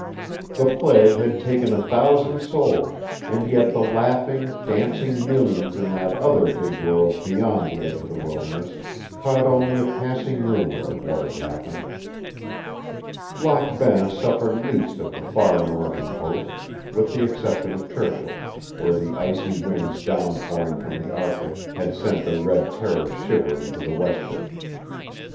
The plague had taken a thousand souls, and yet the laughing, dancing millions in that other big world beyond the edge of the wilderness caught only a passing rumor of what had happened. Lac Bain suffered least of the far northern posts, with the exception of Churchill, where the icy winds down pouring from the Arctic had sent the Red Terror shivering to the westward.